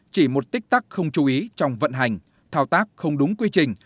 chỉ một tích tắc không chú ý trong vận hành thao tác không đúng quy trình